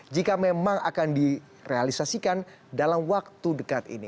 jika memang akan direalisasikan dalam waktu dekat ini